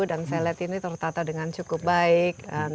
dan saya lihat ini tertata dengan cukup baik